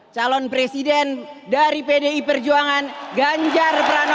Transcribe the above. calon presiden dari pdi perjuangan ganjar pranowo